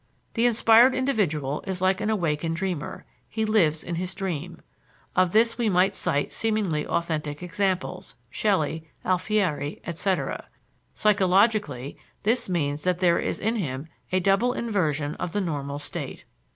The inspired individual is like an awakened dreamer he lives in his dream. (Of this we might cite seemingly authentic examples: Shelly, Alfieri, etc.) Psychologically, this means that there is in him a double inversion of the normal state.